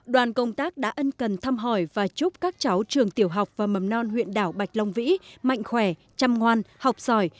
đoàn công tác đã ân cần thăm hỏi và chúc các cháu trường tiểu học và mầm non huyện đảo bạch long vĩ mạnh khỏe chăm ngoan học giỏi